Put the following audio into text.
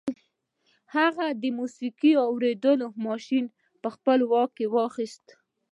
هغه د موسیقي اورېدو ماشين په خپل واک کې واخیست